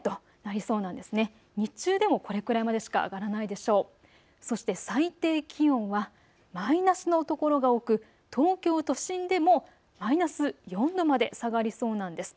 そして最低気温はマイナスの所が多く東京都心でもマイナス４度まで下がりそうなんです。